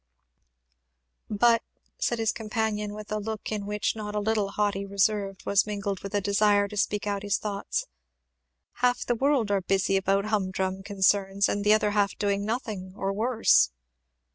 "But," said his companion, with a look in which not a little haughty reserve was mingled with a desire to speak out his thoughts, "half the world are busy about hum drum concerns and the other half doing nothing, or worse."